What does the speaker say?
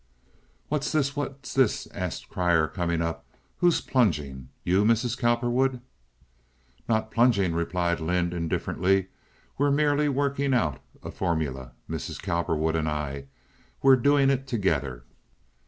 "What's this? What's this?" asked Grier, coming up. "Who's plunging? You, Mrs. Cowperwood?" "Not plunging," replied Lynde, indifferently. "We're merely working out a formula—Mrs. Cowperwood and I. We're doing it together."